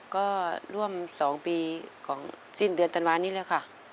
ก็ร่วมสองปีของสิ้นเดือนตอนวานนี้เลยค่ะ